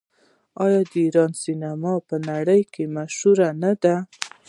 آیا د ایران سینما په نړۍ کې مشهوره نه ده؟